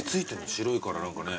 白いから何かね。